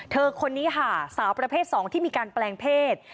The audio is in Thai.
คนนี้ค่ะสาวประเภท๒ที่มีการแปลงเพศ